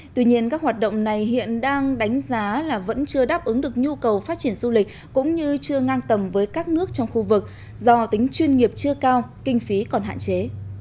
tuy nhiên các hoạt động này hiện đang đánh giá là vẫn chưa đáp ứng được nhu cầu phát triển du lịch cũng như chưa ngang tầm với các nước trong khu vực do tính chuyên nghiệp chưa cao kinh phí còn hạn chế